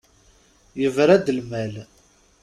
Yebra-d lmal.